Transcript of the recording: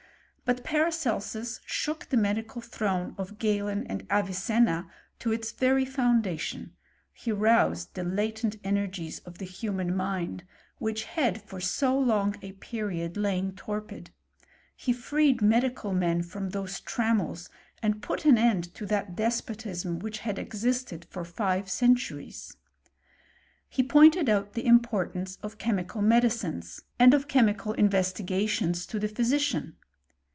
But Pji shook the medical throne of Galen and Avujt its very foundation ; he roused the latent eiiii the human mind, which had for so long a pqq torpid ; he freed medical men from those tw and put an end to that despotism which had for five centuries. He pointed out the impa^ chemical medicines, and of chemical investigjijif the physician.